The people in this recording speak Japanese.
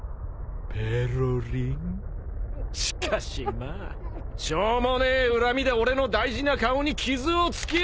しかしまあしょうもねえ恨みで俺の大事な顔に傷をつけやがって。